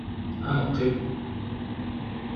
Ad neqqim.